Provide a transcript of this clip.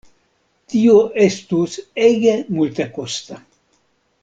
Tio estus ege multekosta.